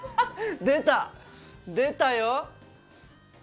出た出たよ。